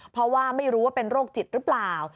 เพราะว่าไม่รู้ว่าเป็นโรคจิตหรือเปล่า